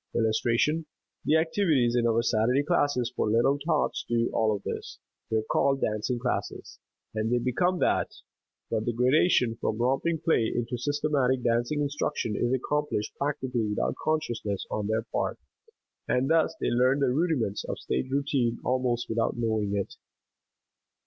The activities in our Saturday classes for little tots do all of this. They are called dancing classes, and they become that, but the gradation from romping play into systematic dancing instruction is accomplished practically without consciousness on their part, and thus they learn the rudiments of stage routine almost without knowing it.